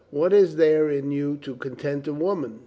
"What is there in you to content a woman?"